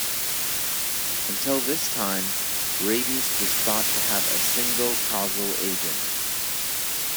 Until this time, rabies was thought to have a single causal agent.